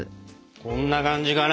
こんな感じかな？